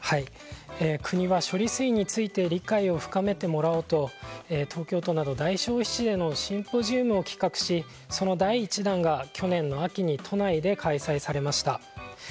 国は処理水について理解を深めてもらおうと東京都など大消費地でのシンポジウムを企画しその第１弾が去年の秋に都内で開催されました。